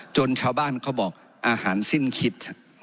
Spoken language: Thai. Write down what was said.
ชาวบ้านเขาบอกอาหารสิ้นคิด